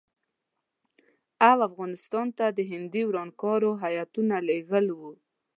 او افغانستان ته د هندي ورانکارو هیاتونه لېږل وو.